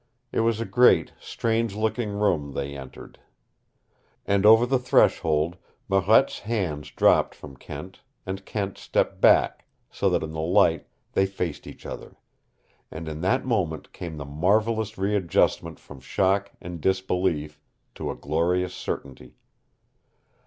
It was a great, strange looking room they entered. And over the threshold Marette's hands dropped from Kent, and Kent stepped back, so that in the light they faced each other, and in that moment came the marvelous readjustment from shock and disbelief to a glorious certainty.